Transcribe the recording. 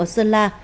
ở sơn la